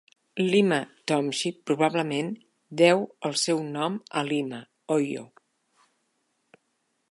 Lima Township probablement deu el seu nom a Lima, Ohio.